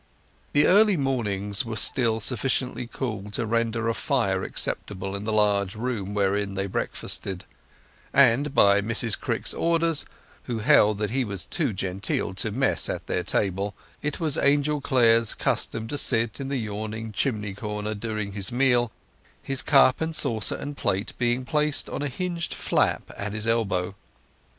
The early mornings were still sufficiently cool to render a fire acceptable in the large room wherein they breakfasted; and, by Mrs Crick's orders, who held that he was too genteel to mess at their table, it was Angel Clare's custom to sit in the yawning chimney corner during the meal, his cup and saucer and plate being placed on a hinged flap at his elbow.